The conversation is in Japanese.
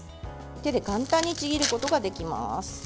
手で簡単にちぎることができます。